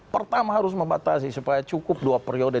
pertama harus membatasi supaya cukup dua periode